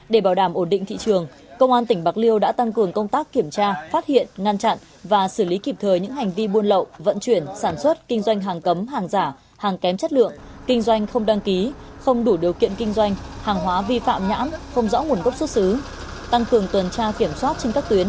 để bảo đảm ổn định thị trường công an tỉnh bạc liêu đã tăng cường công tác kiểm tra phát hiện ngăn chặn và xử lý kịp thời những hành vi buôn lậu vận chuyển sản xuất kinh doanh hàng cấm hàng giả hàng kém chất lượng kinh doanh không đăng ký không đủ điều kiện kinh doanh hàng hóa vi phạm nhãn không rõ nguồn gốc xuất xứ